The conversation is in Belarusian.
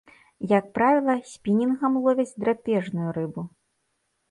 Як правіла, спінінгам ловяць драпежную рыбу.